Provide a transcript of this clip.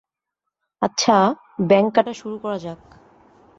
আচ্ছা, ব্যাঙ কাটা শুরু করা যাক।